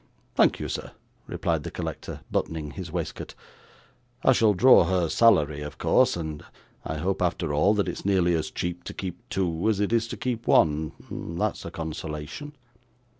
'Thank you, sir,' replied the collector, buttoning his waistcoat. 'I shall draw her salary, of course, and I hope after all that it's nearly as cheap to keep two as it is to keep one; that's a consolation.